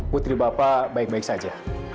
putri bapak baik baik saja